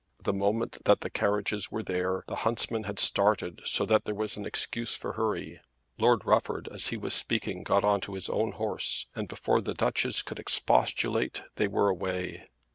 The moment that the carriages were there the huntsmen had started so that there was an excuse for hurry. Lord Rufford as he was speaking got on to his own horse, and before the Duchess could expostulate they were away.